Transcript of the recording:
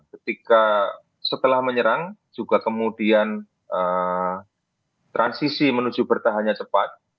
ketika setelah menyerang juga kemudian transisi menuju bertahannya cepat